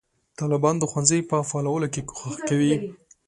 طالبان د ښوونځیو په فعالولو کې کوښښ کوي.